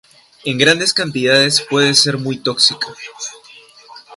En grandes cantidades puede ser muy tóxica.